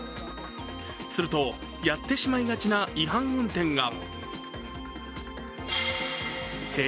すると、やってしまいがちな違反運転が。